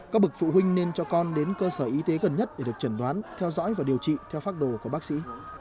các bậc phụ huynh nên cho con đến cơ sở y tế gần nhất để được chẩn đoán theo dõi và điều trị theo phác đồ của bác sĩ